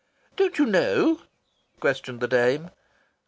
"Don't you know?" questioned the dame.